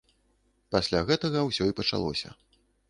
Пасля гэтага ўсё і пачалося.